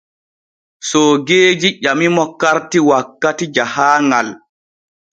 Soogeeji ƴamimo karti wakkati jahaaŋal.